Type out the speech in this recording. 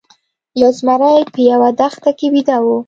یو زمری په یوه دښته کې ویده و.